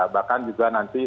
bahkan juga nanti